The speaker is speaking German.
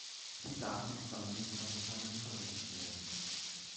Sie darf nicht beim Wildwasserpaddeln verwendet werden.